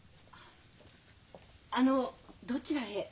あのどちらへ？